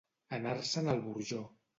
Anar-se'n al Burjó.